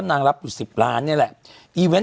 นางรับอยู่๑๐ล้านบาทนี่แหละ